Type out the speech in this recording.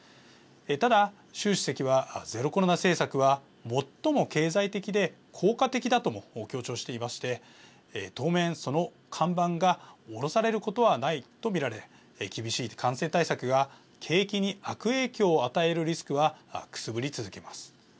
ただ、習主席はゼロコロナ政策は最も経済的で効果的だとも強調していまして当面、その看板が下ろされることはないと見られ厳しい感染対策が景気に悪影響を与えるリスクはくすぶり続けます。